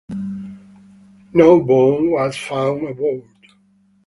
No bomb was found aboard.